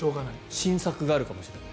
新作があるかもしれない。